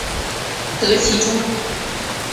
得其中